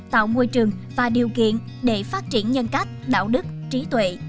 tạo môi trường và điều kiện để phát triển nhân cách đạo đức trí tuệ